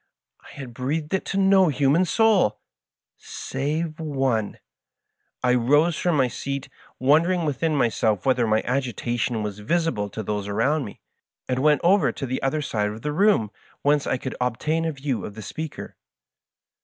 I had breathed it to no human soul — save one! I rose from my seat, wondering within myself whether my agitation was visible to those around me, and went over to the other side of the room whence I could obtain a view of the speaker.